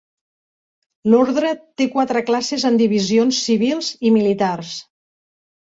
L'Ordre té quatre classes en divisions civils i militars.